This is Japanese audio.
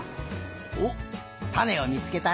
おったねをみつけたね。